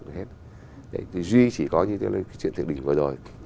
để duy chỉ có như cái chuyện thực định vừa rồi